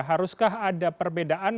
haruskah ada perbedaan